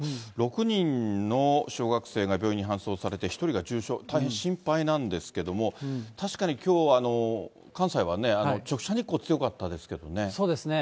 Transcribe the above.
６人の小学生が病院に搬送されて、１人が重症、大変心配なんですけれども、確かにきょう、関西はね、直射日光、そうですね。